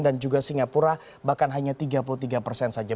dan juga singapura bahkan hanya tiga puluh tiga persen saja